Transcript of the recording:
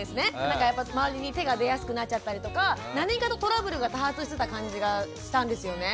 なんかやっぱ周りに手が出やすくなっちゃったりとか何かとトラブルが多発してた感じがしたんですよね。